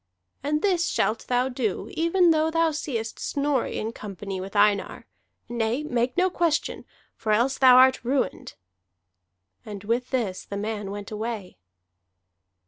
"And this shalt thou do even though thou seest Snorri in company with Einar. Nay, make no question, for else thou art ruined." And with this the man went away.